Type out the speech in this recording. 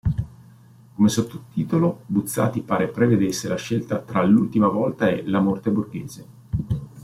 Come sottotitolo, Buzzati pare prevedesse la scelta tra "L'ultima volta" e "La morte borghese".